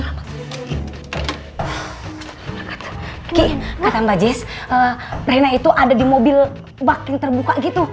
kiki kata mbak jess reina itu ada di mobil bak yang terbuka gitu